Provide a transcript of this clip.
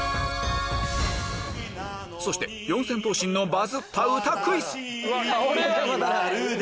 そして四千頭身のバズった歌クイズまるで